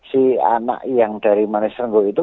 si anak yang dari manis renggo itu